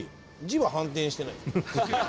字は反転してない」